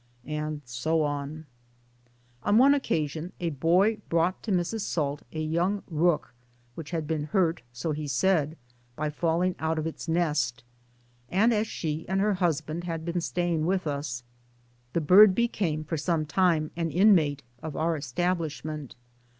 And so on. PERSONALITIES 239 On one occasion a boy brought to Mrs. Salt a young rook which had been hurt (so he said) by falling out of its nest, and as she and her husband had been staying with us, the bird became for some time an inmate of our establishment.